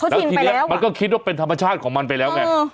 แล้วทีนี้มันก็คิดว่าเป็นธรรมชาติของมันไปแล้วไง